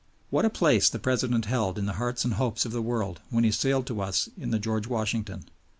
What a place the President held in the hearts and hopes of the world when he sailed to us in the _George Washington!